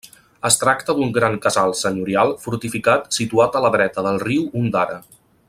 Es tracta d'un gran casal senyorial fortificat situat a la dreta del riu Ondara.